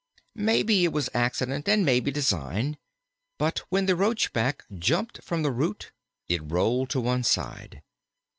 "] Maybe it was accident and maybe design, but when the Roachback jumped from the root it rolled to one side.